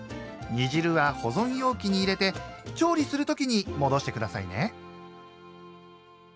煮汁は保存容器に入れて調理するときに戻してくださいね。